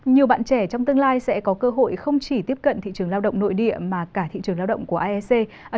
nhiều bạn trẻ trong tương lai sẽ có cơ hội không chỉ tiếp cận thị trường lao động nội địa mà cả thị trường lao động của aec